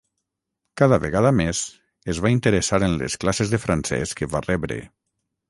Cada vegada més es va interessar en les classes de francès que va rebre.